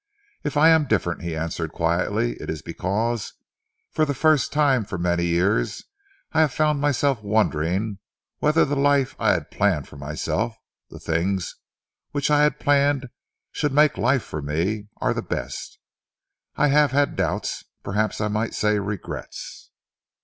"If I am different," he answered quietly, "it is because, for the first time for many years, I have found myself wondering whether the life I had planned for myself, the things which I had planned should make life for me, are the best. I have had doubts perhaps I might say regrets."